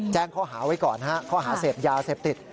แจ้งเขาหาไว้ก่อนเขาหาเสพยาเสพติด